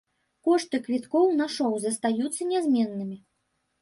Кошты квіткоў на шоў застаюцца нязменнымі.